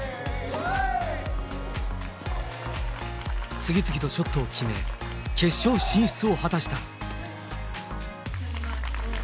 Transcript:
次々とショットを決め、決勝進出を果たした。